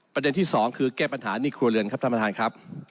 ประเด็นที่สองคือแก้ปัญหาหนี้ครัวเรือนครับท่านประธานครับ